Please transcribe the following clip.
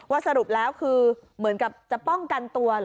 สรุปแล้วคือเหมือนกับจะป้องกันตัวเหรอ